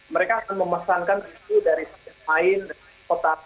mereka akan memesankan dari lain kota